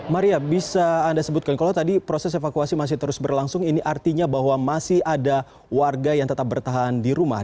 maria bisa anda sebutkan kalau tadi proses evakuasi masih terus berlangsung ini artinya bahwa masih ada warga yang tetap bertahan di rumah